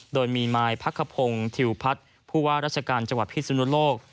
โดยมีนายพักขพงศ์ทิวพัฒน์ผู้ว่าราชการจังหวัดพิสุนุโลก